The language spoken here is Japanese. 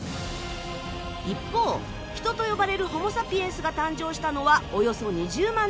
一方人と呼ばれるホモサピエンスが誕生したのはおよそ２０万年前。